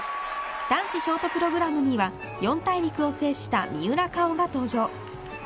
男子ショートプログラムには四大陸を制した三浦佳生が登場。